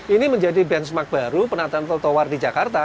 ini menjadi benchmark baru penataan trotoar di jakarta